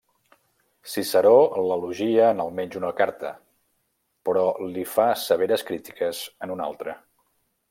Ciceró l'elogia en almenys una carta, però li fa severes crítiques en una altra.